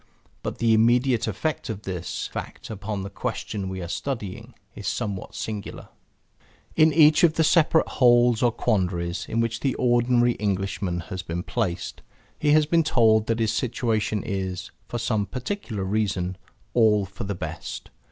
But the immediate effect of this fact upon the question we are studying is somewhat singular. In each of the separate holes or quandaries in which the ordinary Englishman has been placed, he has been told that his situation is, for some particular reason, all for the best.